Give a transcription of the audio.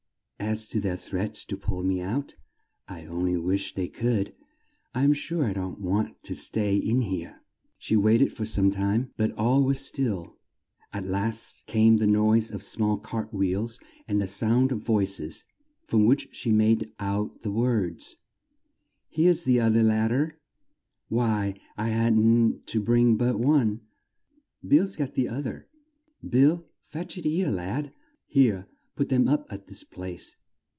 As to their threats to pull me out, I on ly wish they could. I'm sure I don't want to stay in here." She wait ed for some time, but all was still; at last came the noise of small cart wheels and the sound of voi ces, from which she made out the words, "Where's the oth er lad der? Why, I hadn't to bring but one; Bill's got the oth er. Bill, fetch it here, lad! Here, put 'em up at this place.